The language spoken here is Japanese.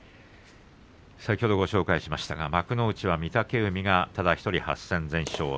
先ほどご紹介しましたが幕内では御嶽海がただ１人８戦全勝。